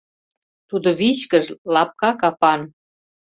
Тудо вичкыж, лапка капан.